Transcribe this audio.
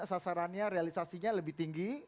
sasarannya realisasinya lebih tinggi